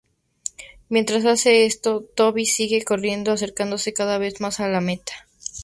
Mientras hace esto, Toby sigue corriendo, acercándose cada vez más a la meta.